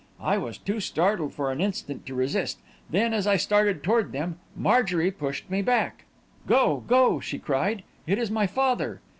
I was too startled for an instant to resist; then, as I started toward them, Marjorie pushed me back. "'Go! Go!' she cried. 'It is my father!'